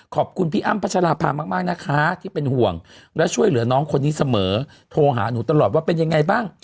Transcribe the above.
ขอบคุณพี่อ้ำพัชราภามากนะคะที่เป็นห่วงและช่วยเหลือน้องคนนี้เสมอโทรหาหนูตลอดว่าเป็นยังไงบ้าง